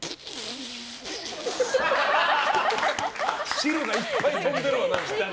汁がいっぱい飛んでるわな。